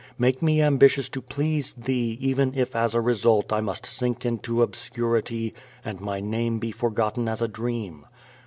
Make me ambitious to please Thee even if as a result I must sink into obscurity and my name be forgotten as a dream.